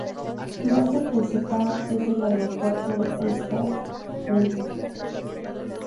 Su base principal es el aeropuerto de East Midlands.